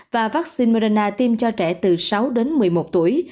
và vaccine corona tiêm cho trẻ từ sáu đến một mươi một tuổi